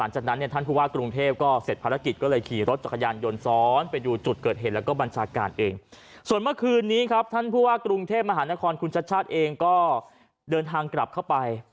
ใช่แล้วของคอนคุณชัดเองก็เดินทางกลับเข้าไป